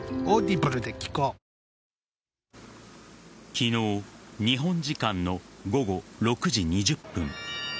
昨日日本時間の午後６時２０分